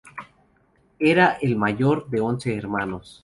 Era el mayor de once hermanos.